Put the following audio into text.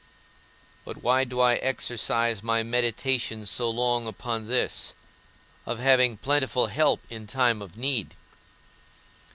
But why do I exercise my meditation so long upon this, of having plentiful help in time of need?